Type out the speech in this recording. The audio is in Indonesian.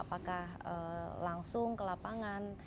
apakah langsung ke lapangan